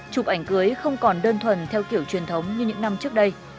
chụp ảnh cưới không còn đơn thuần theo kiểu truyền thống như những năm trước đây